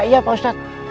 iya pak ustadz